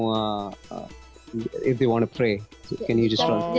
kalau mereka mau berdoa